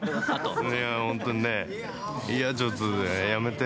いや、本当にね、いや、ちょっとやめて。